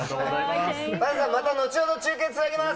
田臥さん、また、後ほど中継つなげます。